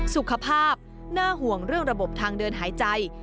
สุขภาพน่าห่วงเรื่องระบบทางเดินหายใจ